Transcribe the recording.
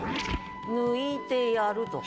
「抜いてやる」と。